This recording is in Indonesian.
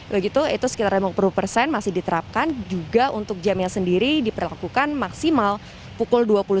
begitu itu sekitar lima puluh persen masih diterapkan juga untuk jamnya sendiri diperlakukan maksimal pukul dua puluh satu